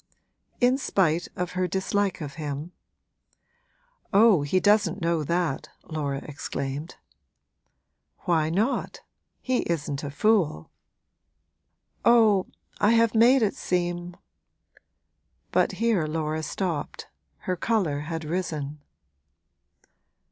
'In spite of her dislike of him?' 'Oh, he doesn't know that!' Laura exclaimed. 'Why not? he isn't a fool.' 'Oh, I have made it seem ' But here Laura stopped; her colour had risen.